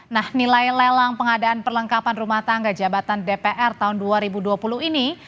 nah nilai lelang pengadaan perlengkapan rumah tangga jabatan dpr tahun dua ribu dua puluh ini